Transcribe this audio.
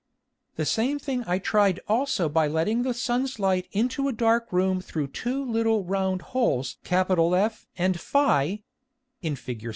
] The same thing I try'd also by letting the Sun's Light into a dark Room through two little round holes F and [Greek: ph] [in _Fig.